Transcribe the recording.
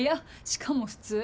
しかも普通。